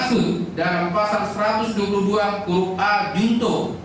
maksud dalam pasar satu ratus dua puluh dua k a dinto